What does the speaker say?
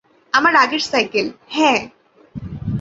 আমার আগের সাইকেল, হ্যাঁ।